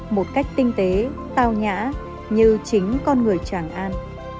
một cách tinh tế tao nhã như chính con người tràng an